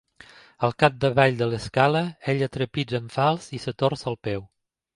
Al capdavall de l'escala ella trepitja en fals i es torça el peu.